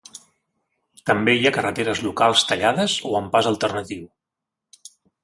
També hi ha carreteres locals tallades o amb pas alternatiu.